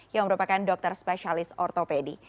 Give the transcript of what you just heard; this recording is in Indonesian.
yang merupakan dokter spesialis ortopedi